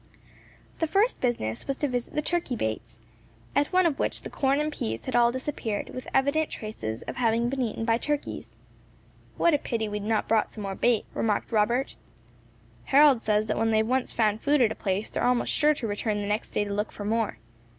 The first business was to visit the turkey baits; at one of which the corn and peas had all disappeared, with evident traces of having been eaten by turkeys. "What a pity we had not brought some more bait," remarked Robert; "Harold says that when they have once found food at a place, they are almost sure to return the next day to look for more.